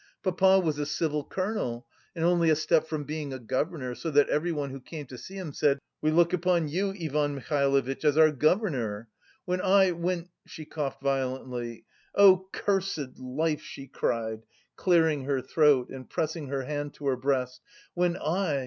Papa was a civil colonel and only a step from being a governor; so that everyone who came to see him said, 'We look upon you, Ivan Mihailovitch, as our governor!' When I... when..." she coughed violently, "oh, cursed life," she cried, clearing her throat and pressing her hands to her breast, "when I...